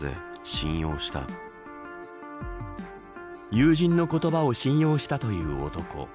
友人の言葉を信用したという男。